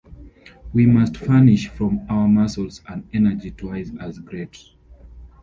We must furnish from our muscles an energy twice as great.